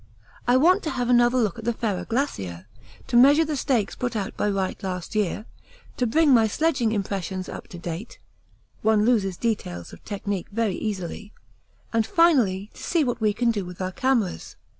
I want to have another look at the Ferrar Glacier, to measure the stakes put out by Wright last year, to bring my sledging impressions up to date (one loses details of technique very easily), and finally to see what we can do with our cameras.